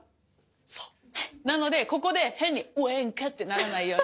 そうなのでここで変に「ウインカ」ってならないように。